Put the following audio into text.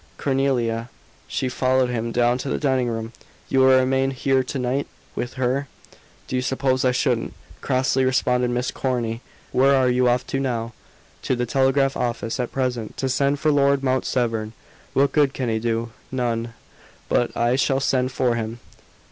"Cornelia." She followed him down to the dining room. "You will remain here to night? With her?" "Do you suppose I shouldn't?" crossly responded Miss Corny; "where are you off to now?" "To the telegraph office, at present. To send for Lord Mount Severn." "What good can he do?" "None. But I shall send for him."